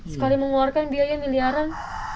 sekali mengeluarkan biaya miliaran